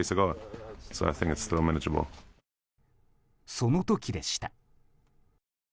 その時でした。